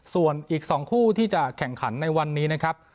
ส่วนอีก๒คู่ที่จะแข่งขันในวันนี้นะครับ